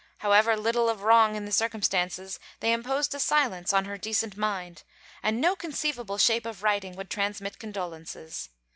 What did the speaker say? However little of wrong in the circumstances, they imposed a silence on her decent mind, and no conceivable shape of writing would transmit condolences.